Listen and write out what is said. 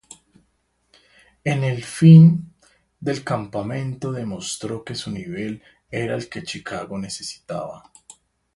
En el final del campeonato demostró que su nivel era el que Chicago necesitaba.